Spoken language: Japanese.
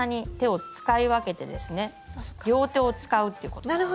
両手を使うっていうことです。